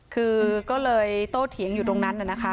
คือก็เลยโตเถียงอยู่ตรงนั้นน่ะนะคะ